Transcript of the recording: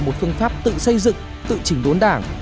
một phương pháp tự xây dựng tự chỉnh đốn đảng